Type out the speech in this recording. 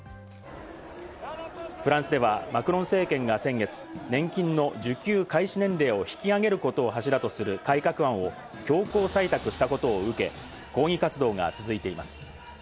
フランスではマクロン政権が先月、年金の受給開始年齢を引き上げることを柱とする改革案を強行採択したことを受け、抗議活動が続いています。